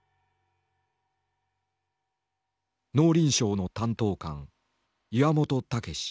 農林省の担当官岩本毅。